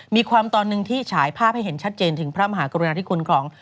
มีความตอนหนึ่งที่ฉายภาพให้เห็นชัดเจนถึงพระมหากรุณาธิคุณของ